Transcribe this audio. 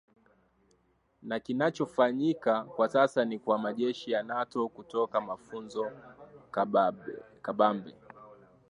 na kinachofanyika kwa sasa ni kwa majeshi ya nato kutoa mafunzo kabambe